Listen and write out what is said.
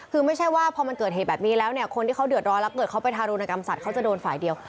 คือไม่ใช่ว่าพอมันเกิดเหตุแบบนี้แล้วเนี่ยคนที่เขาเดือดร้อนแล้วเกิดเขาไปทารุณกรรมสัตว์เขาจะโดนฝ่ายเดียว